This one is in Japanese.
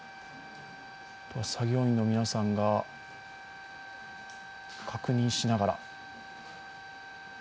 あとは作業員の皆さんが確認しながら。